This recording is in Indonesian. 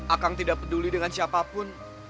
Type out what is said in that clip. akang tidak peduli dengan siapa pun